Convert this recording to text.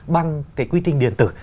bằng quy trình điện tử